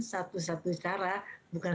satu satu cara bukan